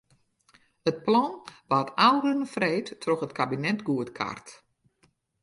It plan waard ôfrûne freed troch it kabinet goedkard.